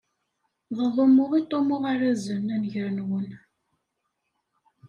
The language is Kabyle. D aḍummu i ṭṭummuɣ arazen a nnger-nwen.